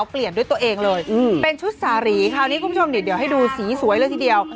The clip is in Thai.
เปลี่ยนด้วยตัวเองเลยเป็นชุดสารีคราวนี้คุณผู้ชมเดี๋ยวให้ดูสีสวยเลยทีเดียว